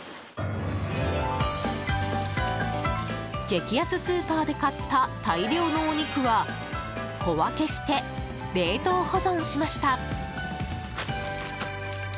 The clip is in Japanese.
激安スーパーで買った大量のお肉は小分けして冷凍保存しました。